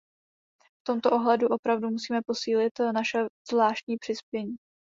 V tomto ohledu opravdu musíme posílit naše zvláštní přispění.